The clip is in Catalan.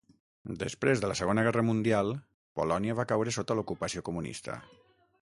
Després de la Segona Guerra Mundial, Polònia va caure sota l'ocupació comunista.